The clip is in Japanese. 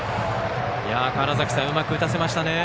川原崎さん、うまく打たせました。